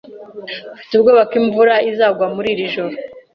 Mfite ubwoba ko imvura izagwa muri iri joro.